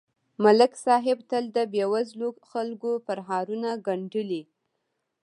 ملک صاحب تل د بېوزلو خلکو پرهارونه گنډلي